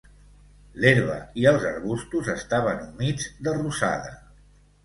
L'herba i els arbustos estaven humits de rosada.